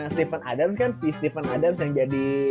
steven adams kan si steven adams yang jadi